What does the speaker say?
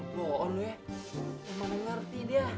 bohong lu ya gimana ngerti dia